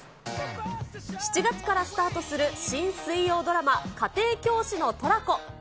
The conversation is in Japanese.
７月からスタートする新水曜ドラマ、家庭教師のトラコ。